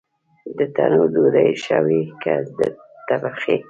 د تنور ډوډۍ ښه وي که د تبخي؟